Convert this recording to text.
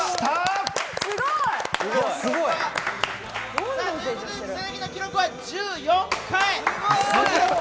すごい！草薙の記録は１４回。